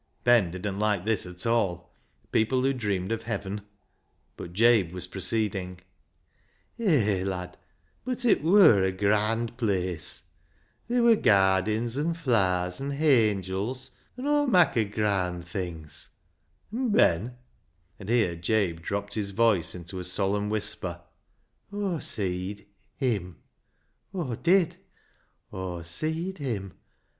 Ben didn't like this at all ; people who dreamed of heaven — But Jabe was proceeding — THE HARMONIUM 365 " Hay, lad ! but it wur a graand place ! Ther' wur gardins and flaars an' hangils, and aw mak' o' graand things. An', Ben," — and here Jabe dropped his voice into a solemn whisper, —" Aw seed Him. Aw did ! Aw seed Him.